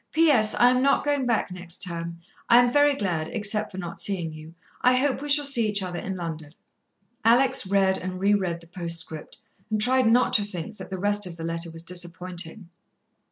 "P.S. I am not going back next term. I am very glad, except for not seeing you. I hope we shall see each other in London." Alex read and re read the postscript, and tried not to think that the rest of the letter was disappointing.